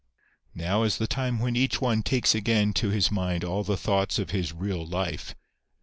" Now is the time when each one takes again to his mind all the thoughts of his real life.